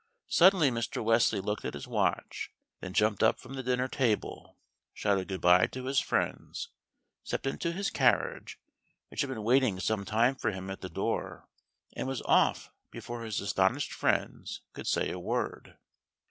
Suddenly, Mr. Wesley looked at his watch, then jumped up from the dinner table, shouted good bye to his friends, stepped into his carriage, which had been waiting some time for him at the door, and was off before his astonished friends could say a word.